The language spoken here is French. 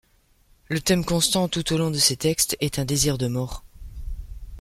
Le thème constant tout au long de ces textes est un désir de mort.